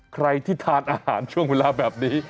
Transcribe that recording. ใครที่ทานอาหารช่วงเวลาแบบนี้